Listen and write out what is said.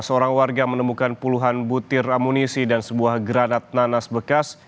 seorang warga menemukan puluhan butir amunisi dan sebuah granat nanas bekas